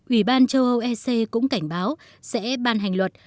ủy ban châu âu ec cũng cảnh báo sẽ ban hành luật